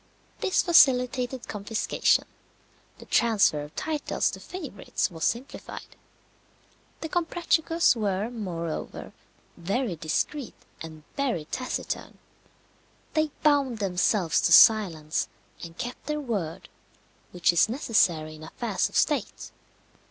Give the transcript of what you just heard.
This facilitated confiscation; the tranfer of titles to favourites was simplified. The Comprachicos were, moreover, very discreet and very taciturn. They bound themselves to silence, and kept their word, which is necessary in affairs of state.